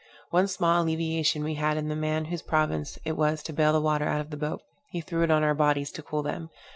One small alleviation we had in the man whose province it was to bale the water out of the boat; he threw it on our bodies to cool them.